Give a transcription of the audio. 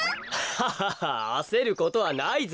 ハハハあせることはないぞ。